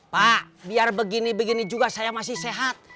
pak biar begini begini juga saya masih sehat